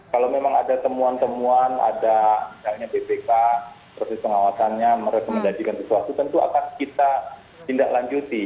kalau memang ada temuan temuan ada misalnya bpk proses pengawasannya merekomendasikan sesuatu tentu akan kita tindak lanjuti